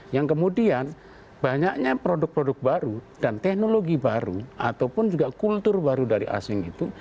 yang kemudian banyaknya produk produk baru dan teknologi baru ataupun juga kultur baru dari asing itu